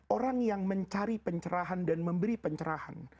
orang yang mencari pencerahan dan memberi pencerahan